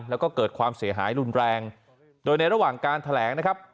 แล้วก็เกิดความเสียหายรุนแรงโดยในระหว่างการแถลงนะครับ